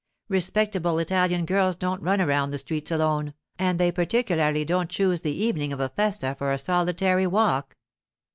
Respectable Italian girls don't run around the streets alone, and they particularly don't choose the evening of a festa for a solitary walk.